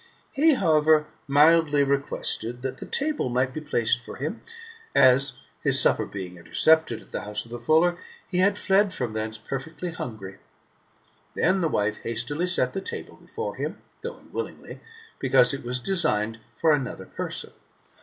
He, however, mildly requested that the table might be placed f6r him, as, his supper being intercepted at the house of the fuller, he had fled from thence perfectly hungry. Then the wife hastily set the table before him, though unwillingly, because it was designed for another person.